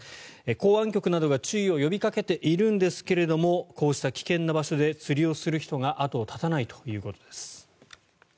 港湾局などが注意を呼びかけているんですがこうした危険な場所で釣りをする人が後を絶たないということです。